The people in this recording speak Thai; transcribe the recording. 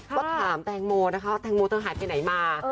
ก็ถามแตงโมนะคะแตงโมเธอหายไปไหนมา